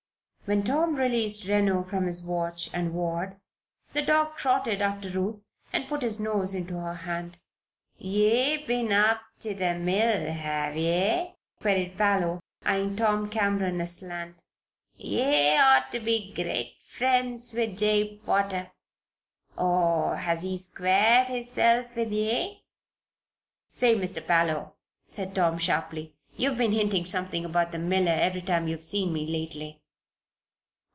When Tom released Reno from his watch and ward, the dog trotted after Ruth and put his nose into her hand. "Ye been up ter the mill, hev ye?" queried Parloe, eyeing Tom Cameron aslant, "ye oughter be gre't friends with Jabe Potter. Or has he squared hisself with ye?" "Say, Mister Parloe," said Tom, sharply, "you've been hinting something about the miller every time you've seen me lately.